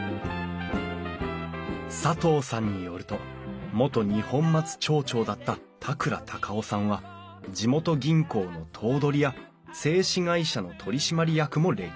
佐藤さんによると元二本松町長だった田倉孝雄さんは地元銀行の頭取や製糸会社の取締役も歴任。